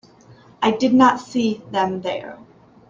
I did not see them there.